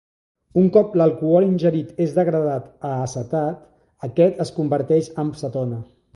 Un cop l'alcohol ingerit és degradat a acetat, aquest es converteix amb cetona.